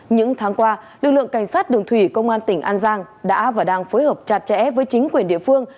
những tháng qua lực lượng cảnh sát đường thủy công an tỉnh an giang đã và đang phối hợp chặt chẽ với chính quyền địa phương